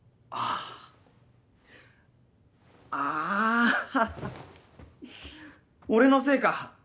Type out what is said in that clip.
ああ俺のせいか。